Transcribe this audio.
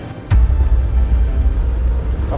papa tau no